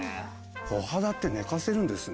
コハダって寝かせるんですね。